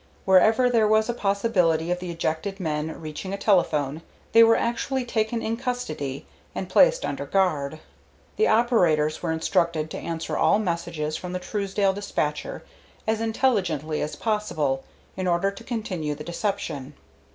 Wherever there was a possibility of the ejected men reaching a telephone, they were actually taken in custody and placed under guard. The operators were instructed to answer all messages from the Truesdale despatcher as intelligently as possible, in order to continue the deception.